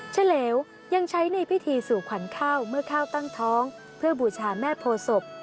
เฉลวยังใช้ในพิธีสู่ขวัญข้าวเมื่อข้าวตั้งท้องเพื่อบูชาแม่โพศพ